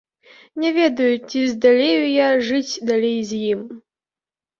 Не ведаю, ці здалею я жыць далей з ім.